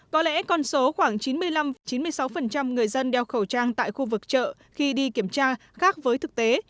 có lẽ con số khoảng chín mươi năm chín mươi sáu người dân đeo khẩu trang tại khu vực chợ khi đi kiểm tra khác với thực tế